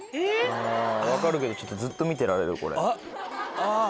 分かるけどずっと見てられるこれ。